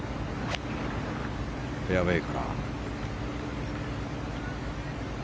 フェアウェーから。